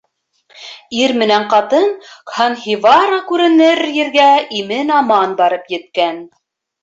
— Ир менән ҡатын Кһанһивара күренер ергә имен-аман барып еткән.